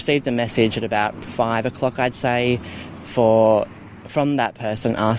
seperti yang penguasa rumah inginkan